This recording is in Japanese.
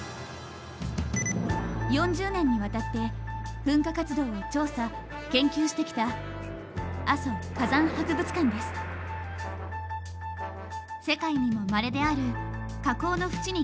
４０年にわたって噴火活動を調査・研究してきた世界にもまれである火口の縁にカメラを設置。